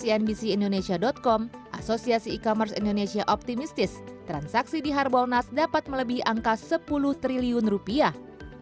sejak tahun dua ribu sepuluh mengutip cnbc indonesia com asosiasi e commerce indonesia optimistis transaksi di harbol nas dapat melebihi angka sepuluh triliun rupiah